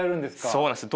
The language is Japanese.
そうなんです。